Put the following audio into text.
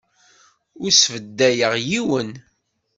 Ur sfadayeɣ yiwen.